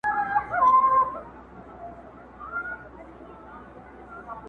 o د نورو هغې نيمه د انا دا يوه نيمه٫